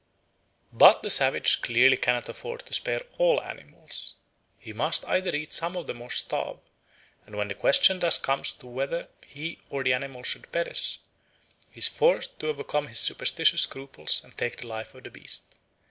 But the savage clearly cannot afford to spare all animals. He must either eat some of them or starve, and when the question thus comes to be whether he or the animal must perish, he is forced to overcome his superstitious scruples and take the life of the beast.